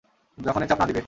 যখন এ চাপ না দিবে।